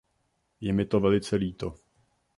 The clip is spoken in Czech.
Je mi to velice líto.